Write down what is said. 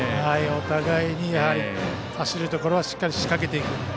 お互いに走るところはしっかり仕掛けていく。